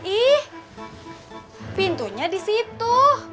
ih pintunya di situ